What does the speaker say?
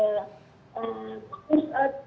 tapi diberikan rekomendasi oleh kpk